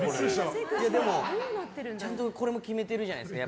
でもちゃんとこれも決めてるじゃないですか。